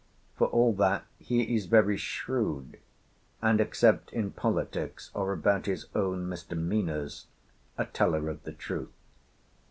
For all that he is very shrewd, and, except in politics or about his own misdemeanours, a teller of the truth.